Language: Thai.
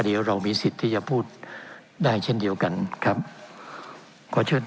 เดี๋ยวเรามีสิทธิ์ที่จะพูดได้เช่นเดียวกันครับขอเชิญ